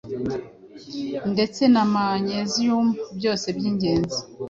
ndetse na magnesium byose by’ingenzi